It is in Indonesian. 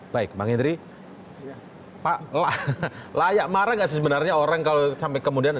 baik pak hendri pak layak marah tidak sebenarnya orang kalau sampai kemudian